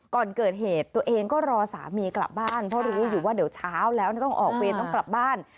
ก่อนเกิดเหตุตัวเองก็รอสามีกลับบ้านเพราะรู้อยู่ว่าเดี๋ยวเช้าแล้วต้องออกเวรต้องกลับบ้าน